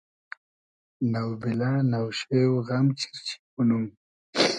نۆبیلۂ نۆشېۉ غئم چیرچی مونوم